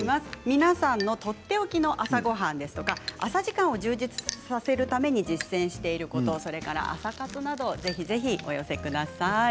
皆さんのとっておきの朝ごはんや、朝時間を充実させるために実践していること朝活などぜひぜひお寄せください。